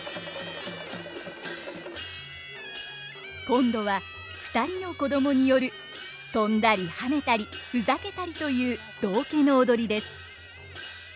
今度は２人の子供による跳んだりはねたりふざけたりという道化の踊りです。